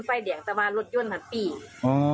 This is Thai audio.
ไฟเหลี่ยงแต่ว่ารถยุ่นมันปิ่ง